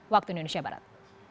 waktu indonesia barat